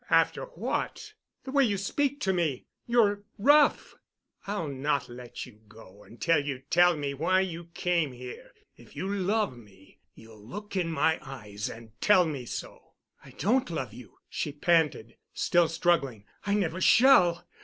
"After what?" "The way you speak to me. You're rough——" "I'll not let you go until you tell me why you came here. If you love me, you'll look in my eyes and tell me so." "I don't love you," she panted, still struggling. "I never shall.